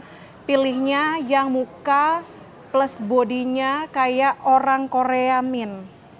jadi ada yang pilihnya yang muka plus bodinya kayak orang korea min